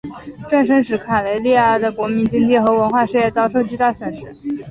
战争使卡累利阿的国民经济和文化事业遭受巨大损失。